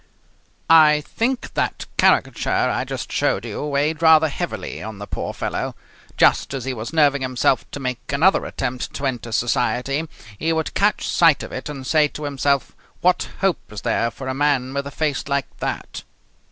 I think that caricature I just showed you weighed rather heavily on the poor fellow. Just as he was nerving himself to make another attempt to enter society, he would catch sight of it and say to himself, "What hope is there for a man with a face like that?"